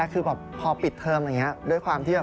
เวลาเล็กเครียดเคยมากอดแม่มาคุยกับแม่ไหมคะ